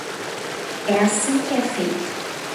É assim que é feito!